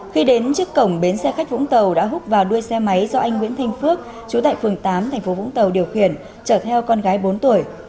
khi đến trước cổng bến xe khách vũng tàu đã hút vào đuôi xe máy do anh nguyễn thanh phước chú tại phường tám tp vũng tàu điều khiển chở theo con gái bốn tuổi